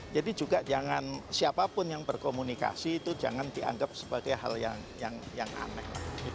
jadi juga jangan siapapun yang berkomunikasi itu jangan dianggap sebagai hal yang aneh